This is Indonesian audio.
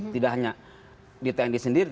tidak hanya di tni sendiri